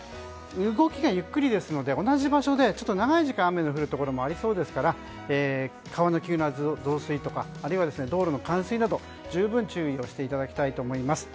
動きがゆっくりですので同じ場所で長い時間、雨の降るところもありそうですから川の急な増水とか、あるいは道路の冠水など、十分注意をしていただきたいと思います。